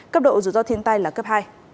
cấp độ rủi ro thiên tai là cấp hai